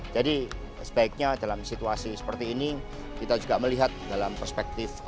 jadi sebaiknya dalam situasi seperti ini kita juga melihat dalam perspektif